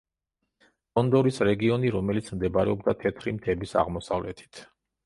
გონდორის რეგიონი, რომელიც მდებარეობდა თეთრი მთების აღმოსავლეთით.